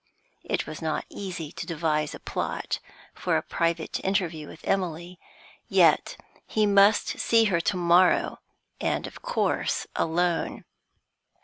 It was not easy to devise a plot for a private interview with Emily, yet he must see her tomorrow, and of course alone.